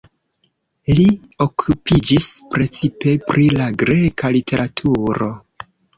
Li okupiĝis precipe pri la greka literaturo.